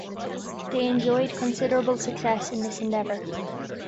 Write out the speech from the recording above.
They enjoyed considerable success in this endeavour.